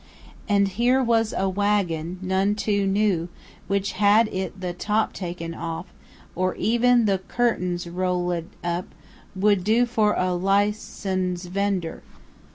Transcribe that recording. And here was a wagon, none too new, which had it the top taken off, or even the curtains roll ed up, would do for a li cen ced vender.